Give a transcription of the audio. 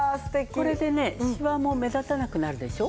これでねシワも目立たなくなるでしょ？